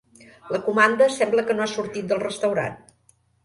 La comanda sembla que no ha sortit del restaurant.